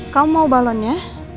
kamu mau balonnya